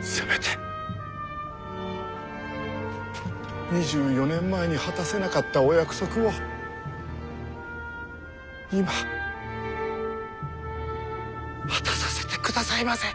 せめて２４年前に果たせなかったお約束を今果たさせてくださいませ！